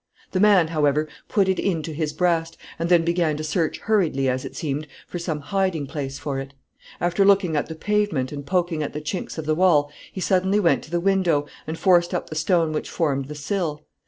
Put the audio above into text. The man, however, put it into his breast, and then began to search hurriedly, as it seemed, for some hiding place for it. After looking at the pavement, and poking at the chinks of the wall, he suddenly went to the window, and forced up the stone which formed the sill.